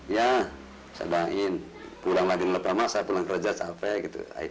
ya saya doain pulang lagi sama ibu saya pulang kerja capek